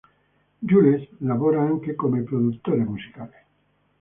Jules lavora anche come produttore musicale.